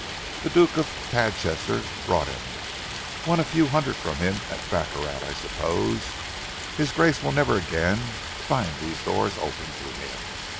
The Duke of Tadchester brought him won a few hundreds from him at baccarat, I suppose. His grace will never again find these doors open to him."